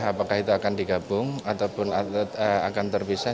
apakah itu akan digabung ataupun akan terpisah